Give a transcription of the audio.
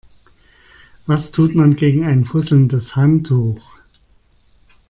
Was tut man gegen ein fusselndes Handtuch?